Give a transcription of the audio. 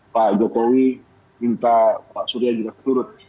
pak jokowi minta pak surya juga turut